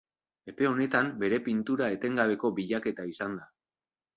Epe honetan bere pintura etengabeko bilaketa izan da.